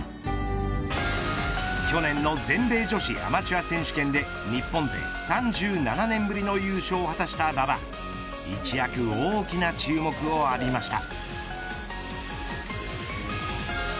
去年の全米女子アマチュア選手権で日本勢３７年ぶりの優勝を果たした馬場一躍大きな注目を浴びました。